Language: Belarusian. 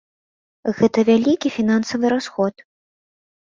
Гэта вялікі фінансавы расход.